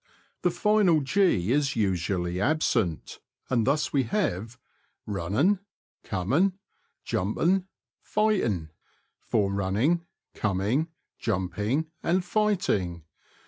The final g is usually absent, and thus we have runnen, cumen, jump'n, fight'n, for running, coming, jumping, and fighting.